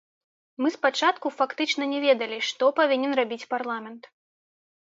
Мы спачатку фактычна не ведалі, што павінен рабіць парламент.